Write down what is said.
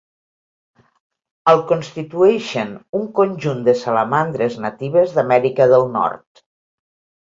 El constitueixen un conjunt de salamandres natives d'Amèrica del Nord.